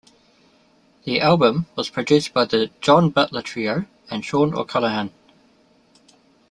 The album was produced by the John Butler Trio and Shaun O'Callaghan.